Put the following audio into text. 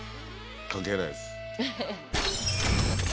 関係ないです。